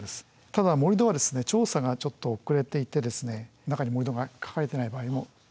ただ盛り土は調査がちょっと遅れていて中に盛り土がかかれていない場合も。